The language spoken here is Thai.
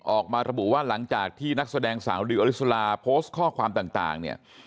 ออกมาระบุว่าหลังจากที่นักแสดงสาวดิวอลิสุราโพสต์ข้อความต่างเนี่ย